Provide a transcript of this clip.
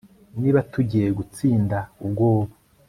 niba tugiye gutsinda ubwoba